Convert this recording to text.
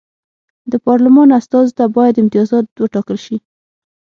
د پارلمان استازو ته باید امتیازات وټاکل شي.